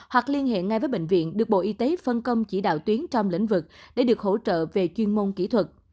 hoặc liên hệ ngay với bệnh viện được bộ y tế phân công chỉ đạo tuyến trong lĩnh vực để được hỗ trợ về chuyên môn kỹ thuật